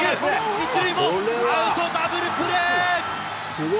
一塁もアウト、ダブルプレー。